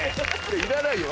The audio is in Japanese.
いらないよ